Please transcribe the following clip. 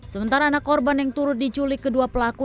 sementara anak korban yang turut diculik kedua pelaku